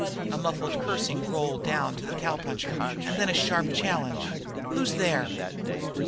A muffled cursing rolled down to the cowpuncher, and then a sharp challenge: "Who's there?"